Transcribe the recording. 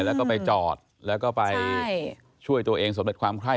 แล้วก็ไปจอดแล้วก็ไปช่วยตัวเองสำเร็จความไข้